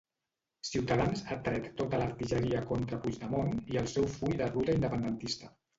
Cs ha tret tota l'artilleria contra Puigdemont i el seu full de ruta independentista.